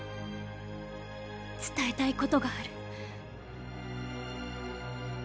伝えたいことがある。